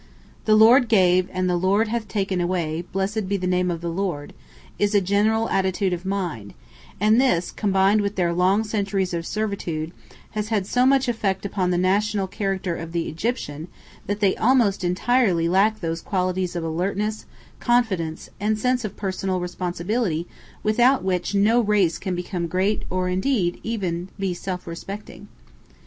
"The Lord gave, and the Lord hath taken away, blessed be the name of the Lord," is a general attitude of mind, and this, combined with their long centuries of servitude, has had so much effect upon the national character of the Egyptian that they almost entirely lack those qualities of alertness, confidence, and sense of personal responsibility without which no race can become great or even, indeed, be self respecting.